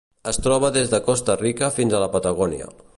Es troba des de Costa Rica fins a la Patagònia.